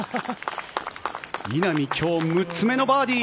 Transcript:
稲見、今日６つ目のバーディー！